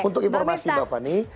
untuk informasi mbak fanny